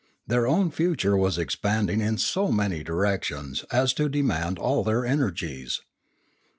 Their own future was expanding in so many directions as to demand all their energies.